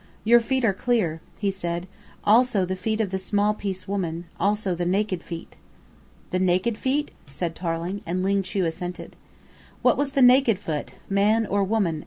"Your feet are clear," he said; "also the feet of the small piece woman; also the naked feet." "The naked feet?" said Tarling, and Ling Chu assented. "What was the naked foot man or woman?"